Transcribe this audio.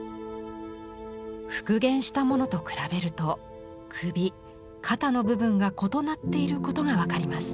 復元したものと比べると首肩の部分が異なっていることが分かります。